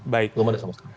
belum ada sama sekali